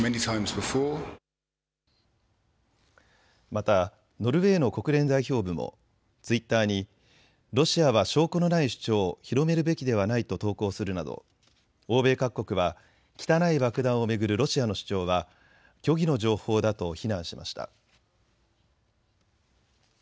またノルウェーの国連代表部もツイッターにロシアは証拠のない主張を広めるべきではないと投稿するなど欧米各国は汚い爆弾を巡るロシアの主張は虚偽の情報だと非難しました。